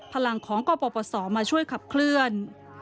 พลังของกปศมาช่วยขับเคลื่อน